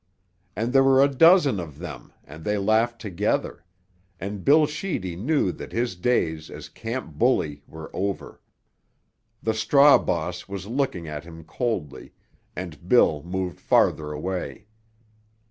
And there were a dozen of them, and they laughed together; and Bill Sheedy knew that his days as camp bully were over. The straw boss was looking at him coldly, and Bill moved farther away.